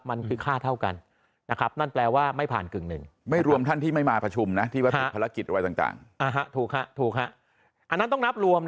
มันคือค่าเท่ากันนะครับนั่นแปลว่าไม่ผ่านกึ่งหนึ่ง